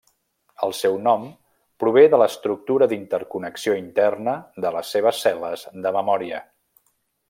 El seu nom prové de l’estructura d’interconnexió interna de les seves cel·les de memòria.